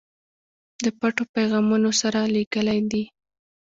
د پټو پیغامونو سره لېږلی دي.